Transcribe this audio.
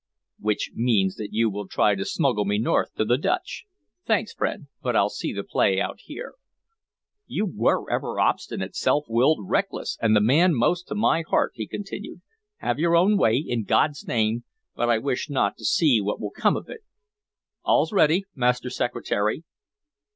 "Which means that you will try to smuggle me north to the Dutch. Thanks, friend, but I'll see the play out here." "You were ever obstinate, self willed, reckless and the man most to my heart," he continued. "Have your way, in God's name, but I wish not to see what will come of it! All's ready, Master Secretary."